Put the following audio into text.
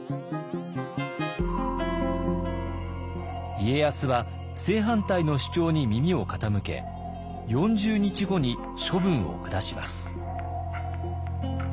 家康は正反対の主張に耳を傾け４０日後に処分を下します。